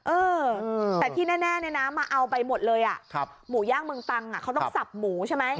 เออแต่ที่แน่เนี่ยนะมาเอาไปหมดเลยหมูย่างเมืองตังเขาต้องสับหมูใช่ไหม